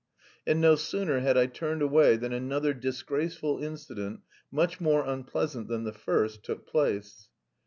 And no sooner had I turned away than another disgraceful incident, much more unpleasant than the first, took place.